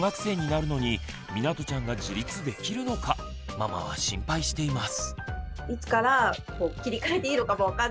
ママは心配しています。